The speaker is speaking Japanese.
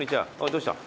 どうした？